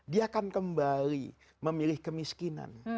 dia akan kembali memilih kemiskinan